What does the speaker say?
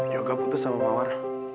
yoga putus sama mawar